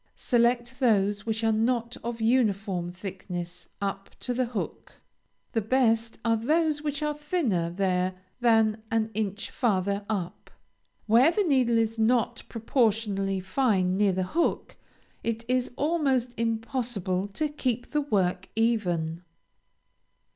Select those which are not of uniform thickness up to the hook; the best are those which are thinner there than an inch farther up. Where the needle is not proportionally fine near the hook, it is almost impossible to keep the work even.